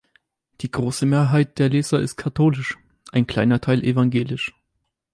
Die große Mehrheit der Leser ist katholisch, ein kleiner Teil evangelisch.